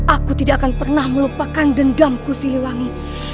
aku sekarang mengaku kalah di ruang ini tapi tunggu pembalasanku